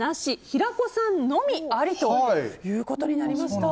平子さんのみありということになりました。